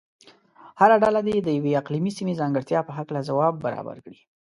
هره ډله دې د یوې اقلیمي سیمې ځانګړتیا په هلکه ځواب برابر کړي.